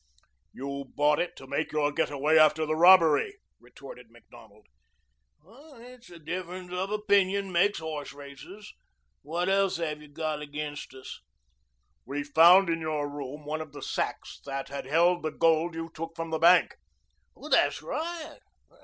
"You bought it to make your getaway after the robbery," retorted Macdonald. "It's a difference of opinion makes horse races. What else have you got against us?" "We found in your room one of the sacks that had held the gold you took from the bank." "That's right.